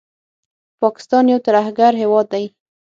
پاکستان یو ترهګر هیواد دي